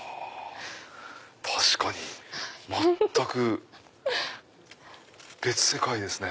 確かに全く別世界ですね。